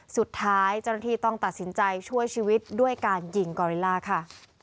สุดท้ายเจ้าหน้าที่ต้องตัดสินใจช่วยชีวิตด้วยการยิงกอริล่าค่ะ